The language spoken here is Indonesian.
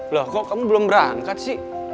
loh kok kamu belum berangkat sih